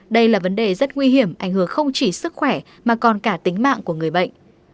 đây là vấn đề rất nguy hiểm ảnh hưởng không chỉ sức khỏe mà còn cả tính mạng của người bệnh